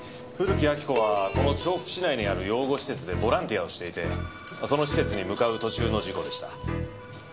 古木亜木子はこの調布市内にある養護施設でボランティアをしていてその施設に向かう途中の事故でした。